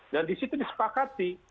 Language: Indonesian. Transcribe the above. dan disitu disepakati